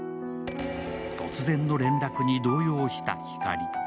突然の連絡に動揺した光。